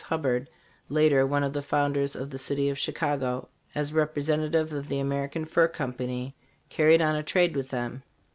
Hubbard, later one of the founders of the city of Chicago, as representa tive of the American Fur Company, carried on a trade with them.